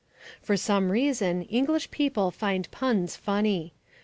For some reason English people find puns funny.